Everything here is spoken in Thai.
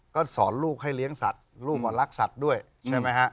ก็สอนลูกให้เลี้ยงสัตว์ลูกก็รักสัตว์ด้วยใช่ไหมฮะ